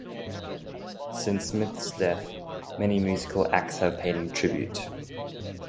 Since Smith's death, many musical acts have paid him tribute.